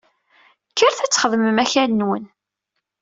Kkret ad txedmem akal-nwen!